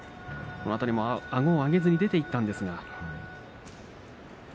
この辺り、あごを上げずに出ていったんですが。